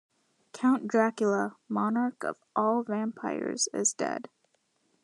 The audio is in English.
Count Dracula, monarch of all vampires is dead.